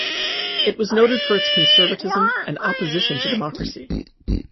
It was noted for its conservatism and opposition to democracy.